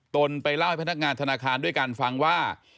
ไปเล่าให้พนักงานธนาคารด้วยกันฟังว่า